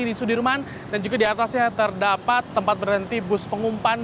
di sudirman dan juga di atasnya terdapat tempat berhenti bus pengumpan